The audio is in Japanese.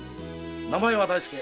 名前は大介。